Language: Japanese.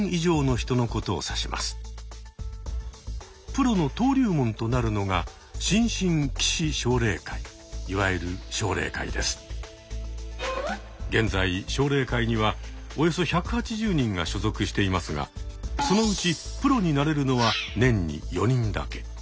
プロの登竜門となるのが現在奨励会にはおよそ１８０人が所属していますがそのうちプロになれるのは年に４人だけ。